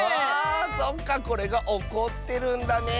そっかこれがおこってるんだねえ。